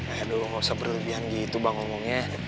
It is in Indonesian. aduh gak usah berlebihan gitu bang ngomongnya